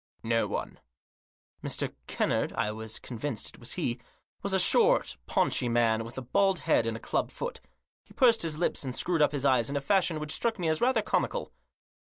No one." Mr. Kennard — I was convinced it was he — was a short, paunchy man, with a bald head and a club foot. He pursed his lips and screwed up his eyes in a fashion which struck me as rather comical.